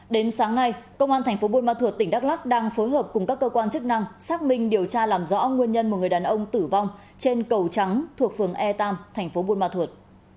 đến sáng nay công an thành phố buôn ma thuột tỉnh đắk lắc đang phối hợp cùng các cơ quan chức năng xác minh điều tra làm rõ nguyên nhân một người đàn ông tử vong trên cầu trắng thuộc phường e tam thành phố buôn ma thuột